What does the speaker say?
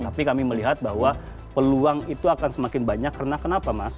tapi kami melihat bahwa peluang itu akan semakin banyak karena kenapa mas